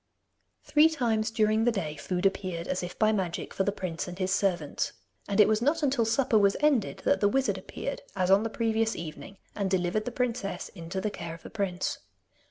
Three times during the day food appeared, as if by magic, for the prince and his servants. And it was not until supper was ended that the wizard appeared, as on the previous evening, and delivered the princess into the care of the prince.